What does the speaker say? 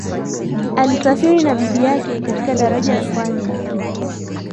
alisafiri na bibi yake katika daraja la kwanza